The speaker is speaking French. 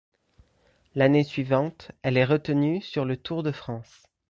L'année suivante, elle est retenue sur le Tour de France.